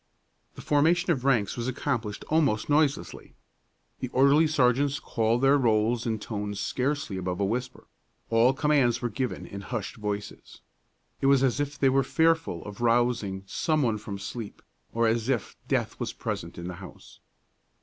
The formation of ranks was accomplished almost noiselessly. The orderly sergeants called their rolls in tones scarcely above a whisper; all commands were given with hushed voices. It was as if they were fearful of rousing some one from sleep, or as if death was present in the house.